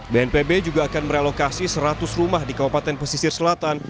bnpb juga akan merelokasi seratus rumah di kabupaten pesisir selatan